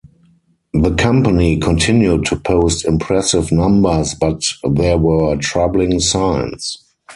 The company continued to post impressive numbers, but there were troubling signs.